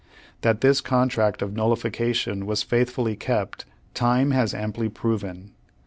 That this contract of nullification was faithfully kept, time has amply proven.